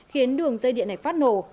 khiến đường dây điện này phát nổ